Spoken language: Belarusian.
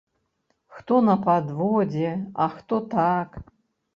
Хто на падводзе, а хто так.